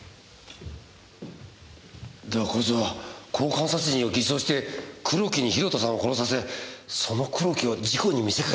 ではこいつは交換殺人を偽装して黒木に広田さんを殺させその黒木を事故に見せかけて殺したと？